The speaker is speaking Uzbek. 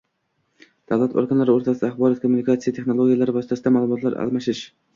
— davlat organlari o‘rtasida axborot-kommunikatsiya texnologiyalari vositasida ma’lumotlar almashish;